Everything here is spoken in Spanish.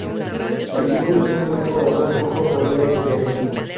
Su símbolo es un gran corazón rojo rodeado de llamas.